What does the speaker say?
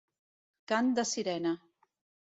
Cant de sirena.